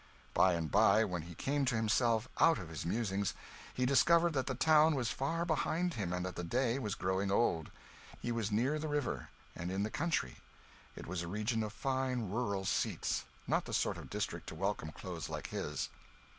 By and by, when he came to himself out of his musings, he discovered that the town was far behind him and that the day was growing old. He was near the river, and in the country; it was a region of fine rural seats not the sort of district to welcome clothes like his.